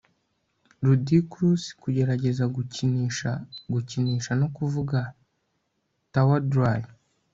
Ludicrous kugerageza gukinisha gukinisha no kuvuga tawdry